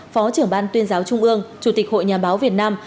phó trưởng ban tuyên giáo trung ương chủ tịch hội nhà báo việt nam